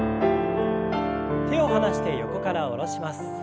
手を離して横から下ろします。